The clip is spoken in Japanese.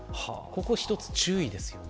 一つ、注意ですよね。